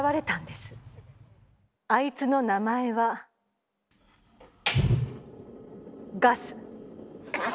あいつの名前はガス。